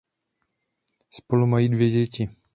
Spolu mají dvě děti.